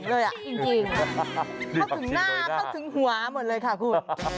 จริงเข้าถึงหน้าเข้าถึงหัวหมดเลยค่ะคุณ